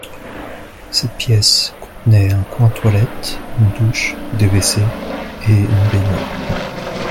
Cette pièce contenait un coin toilette, une douche, des WC et une baignoire